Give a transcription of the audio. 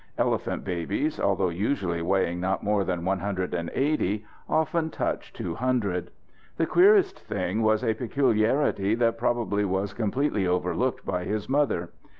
Elephant babies, although usually weighing not more than one hundred and eighty, often touch two hundred. The queerest thing was a peculiarity that probably was completely overlooked by his mother.